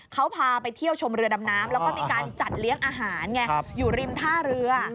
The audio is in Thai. เขาพาไปเที่ยวชมเรือดำน้ำแล้วก็มีการจัดเลี้ยงอาหารไงอยู่ริมท่าเรือ